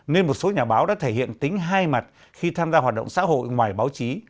nên một số nhà báo đã thể hiện tính hai mặt khi tham gia hoạt động xã hội ngoài báo chí